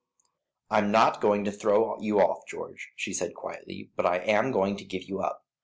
"I am not going to throw you off, George," she said, quietly; "but I am going to give you up.